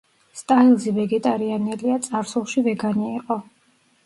სტაილზი ვეგეტარიანელია, წარსულში ვეგანი იყო.